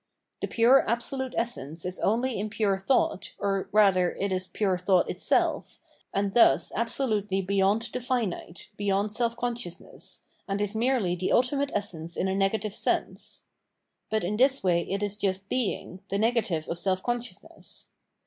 The puce absolute essence is only in pure thought, or rather it is pure thought itself, and thiis absolutely beyond the finite, beyond self consciousness, and is merely the ultimate essence in a negative sense. But in this way it is just being, the negative of self consciousness.